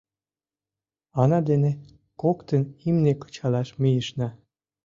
Ана дене коктын имне кычалаш мийышна...